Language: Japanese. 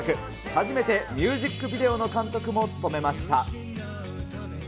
初めて、ミュージックビデオの監督も務めました。